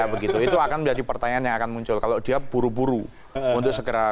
begitu itu akan menjadi pertanyaan yang akan muncul kalau dia buru buru untuk segera